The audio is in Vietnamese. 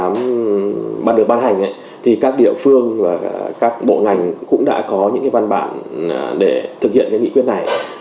nếu mà được ban hành thì các địa phương và các bộ ngành cũng đã có những cái văn bản để thực hiện cái nghị quyết này